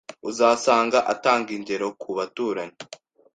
Uzasanga atanga ingero ku baturanyi